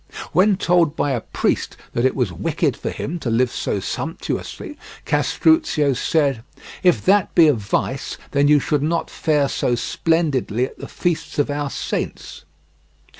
When told by a priest that it was wicked for him to live so sumptuously, Castruccio said: "If that be a vice then you should not fare so splendidly at the feasts of our saints."